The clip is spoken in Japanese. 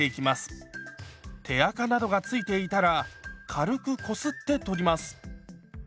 手あかなどが付いていたら軽くこすって取ります。